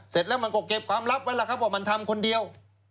เสร็จแล้วมันก็เก็บความลับไว้แล้วครับว่ามันทำคนเดียว